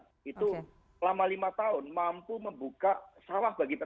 oke itu lama lima tahun mampu membuka sawah bagi bung dusmar